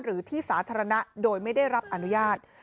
หรือที่สาธารณะโดยไม่ได้รับอนุญาต